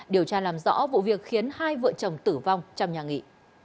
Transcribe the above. điều tra làm rõ vụ việc khiến hai vợ chồng tử vong trong nhà nghị